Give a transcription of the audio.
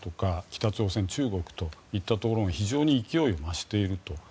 北朝鮮、中国といったところが非常に勢いが増していると。